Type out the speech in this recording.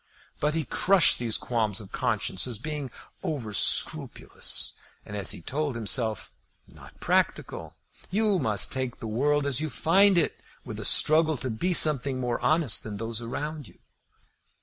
But he crushed these qualms of conscience as being over scrupulous, and, as he told himself, not practical. You must take the world as you find it, with a struggle to be something more honest than those around you.